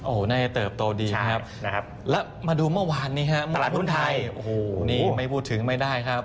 โอ้โหน่าจะเติบโตดีนะครับแล้วมาดูเมื่อวานนี้ครับตลาดหุ้นไทยโอ้โหนี่ไม่พูดถึงไม่ได้ครับ